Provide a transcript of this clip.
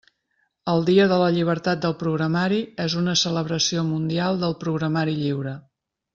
El Dia de la Llibertat del Programari és una celebració mundial del programari lliure.